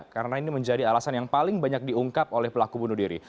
karena ini menjadi alasan yang paling banyak diungkap oleh pelaku bunuh diri